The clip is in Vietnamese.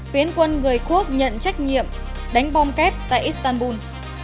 phiến quân người quốc nhận trách nhiệm đánh bom kép tại istanbul